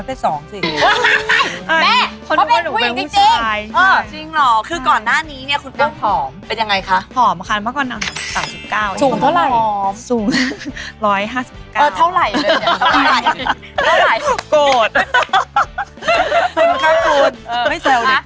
คิดยังไงว่าอ้าวตัดสินใจไป